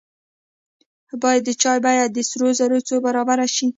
باید د چای بیه د سرو زرو څو برابره شي.